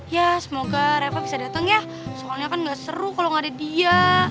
ya semoga reva bisa dateng ya soalnya kan gak seru kalo gak ada dia